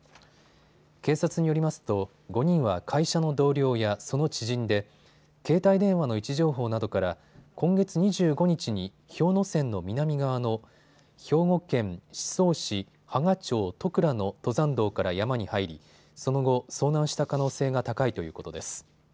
警察によりますと５人は会社の同僚やその知人で携帯電話の位置情報などから今月２５日に氷ノ山の南側の兵庫県宍粟市波賀町戸倉の登山道から山に入りその後、遭難した可能性が高いということです。